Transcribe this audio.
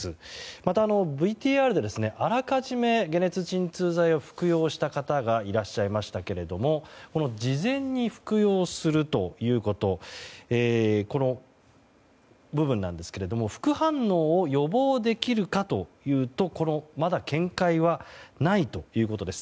またＶＴＲであらかじめ解熱鎮痛剤を服用した方がいらっしゃいましたが事前に服用するというこの部分なんですが副反応を予防できるかというとまだ見解はないということです。